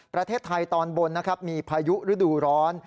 ประเทศไทยตอนบนนะครับมีพายุฤดูร้อน